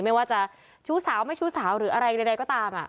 ไม่ว่าจะชู้สาวไม่ชู้สาวหรืออะไรใดก็ตาม